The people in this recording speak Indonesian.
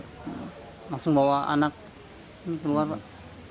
langsung bawa anak keluar pak